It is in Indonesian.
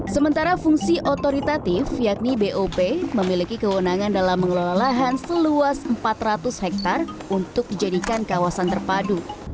sementara fungsi otoritatif yakni bop memiliki kewenangan dalam mengelola lahan seluas empat ratus hektare untuk dijadikan kawasan terpadu